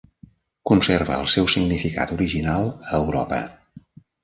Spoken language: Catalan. Conserva el seu significat original a Europa.